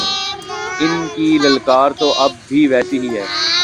ان کی للکار تو اب بھی ویسے ہی ہے۔